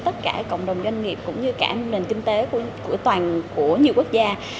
tất cả cộng đồng doanh nghiệp cũng như cả nền kinh tế của toàn của nhiều quốc gia